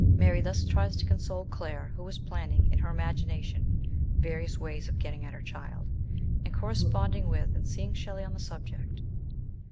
Mary thus tries to console Claire, who is planning, in her imagination, various ways of getting at her child, and correspond ing with and seeing Shelley on the subject.